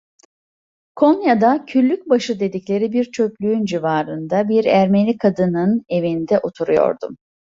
Konya'da Küllükbaşı dedikleri bir çöplüğün civarında, bir Ermeni kadının evinde oturuyordum.